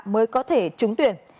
mới có thể trúng tuyển